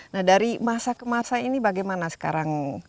nah dari masa ke masa ini bagaimana sekarang